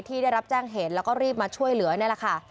ที่ได้รับแจ้งเหตุแล้วก็รีบมาช่วยเหลือนี่แหละค่ะ